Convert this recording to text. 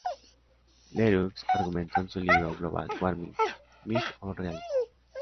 Leroux argumentó en su libro "Global Warming: Myth or Reality?